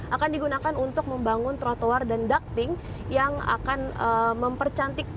akan digunakan untuk membangun trotoar dan ducting yang akan mempercantik